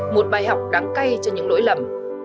một bài học đắng cay cho những lỗi lầm